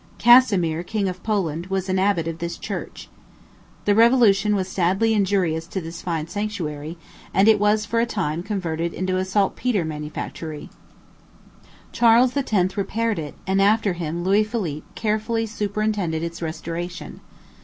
Casimir, King of Poland, was an abbot of this church. The revolution was sadly injurious to this fine sanctuary, and it was for a time converted into a saltpetre manufactory. Charles X. repaired it, and after him Louis Philippe carefully superintended its restoration.